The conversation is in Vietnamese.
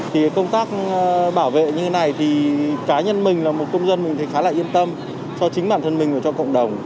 thì công tác bảo vệ như thế này thì cá nhân mình là một công dân mình thấy khá là yên tâm cho chính bản thân mình và cho cộng đồng